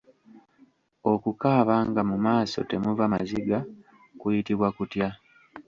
Okukaaba nga mu maaso temuva maziga kuyitibwa kutya?